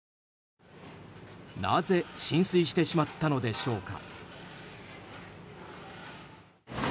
なぜ浸水してしまったのでしょうか。